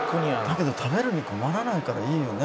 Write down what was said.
「だけど食べるに困らないからいいよね